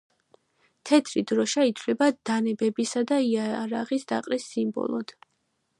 თეთრი დროშა ითვლება დანებებისა და იარაღის დაყრის სიმბოლოდ.